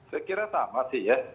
saya kira sama sih ya